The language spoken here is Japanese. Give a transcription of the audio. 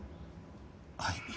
はい。